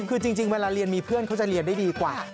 คือจริงเวลาเรียนมีเพื่อนเขาจะเรียนได้ดีกว่า